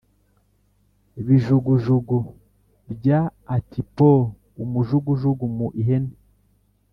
Bijugujugu bya ati po !!!!-Umujugujugu mu ihene.